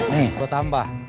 nih gua tambah